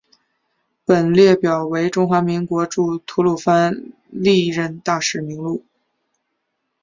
本列表为中华民国驻吐瓦鲁历任大使名录。